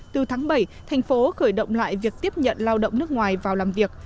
từ tháng bảy thành phố khởi động lại việc tiếp nhận lao động nước ngoài vào làm việc